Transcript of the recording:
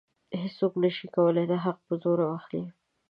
هیڅوک نشي کولی دا حق په زور واخلي.